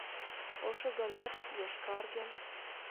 Ошо гынат, йошкарге...